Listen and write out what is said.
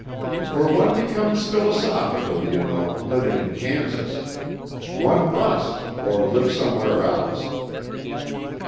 "For one becomes philosophical, you know, living in Kansas. One must, or live somewhere else....